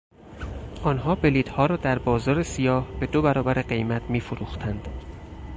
آنها بلیطها را در بازار سیاه به دو برابر قیمت میفروختند.